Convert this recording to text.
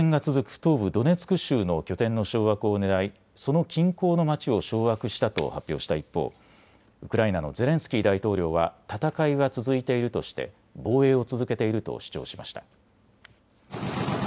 東部ドネツク州の拠点の掌握をねらいその近郊の町を掌握したと発表した一方、ウクライナのゼレンスキー大統領は戦いは続いているとして防衛を続けていると主張しました。